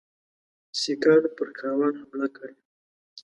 سیکهانو پر کاروان حمله کړې.